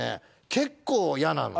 結構嫌なのよね